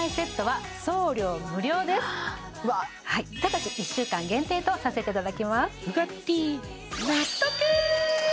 しかもはいただし１週間限定とさせていただきます